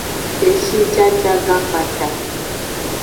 Eshijajagan kpata.